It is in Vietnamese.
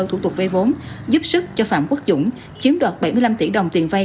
thủ tục vay vốn giúp sức cho phạm quốc dũng chiếm đoạt bảy mươi năm tỷ đồng tiền vay